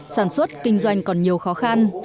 sản xuất kinh doanh còn nhiều khó khăn